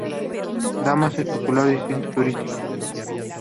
Damán es un popular destino turístico.